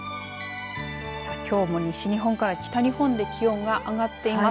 きょうも西日本から北日本で気温が上がっています。